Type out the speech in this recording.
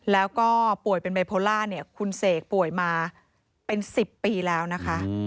แล้วก็ป่วยเป็นไบโพล่าเนี่ยคุณเสกป่วยมาเป็น๑๐ปีแล้วนะคะ